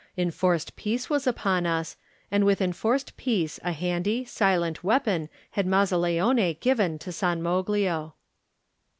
Enforced peace was upon us, and with enforced peace a handy, silent weapon had Mazzaleone given to San Moglio.